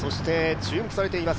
注目されています